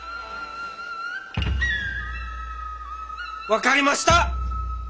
分かりました！